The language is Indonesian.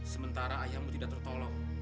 sementara ayahmu tidak tertolong